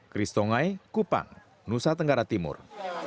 kristongai kupang nusa tenggara timur